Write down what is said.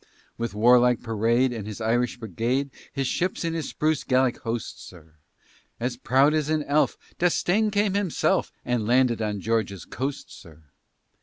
With warlike parade, And his Irish brigade, His ships and his spruce Gallic host, sir, As proud as an elf, D'Estaing came himself, And landed on Georgia's coast, sir.